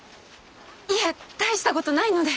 いえ大した事ないので。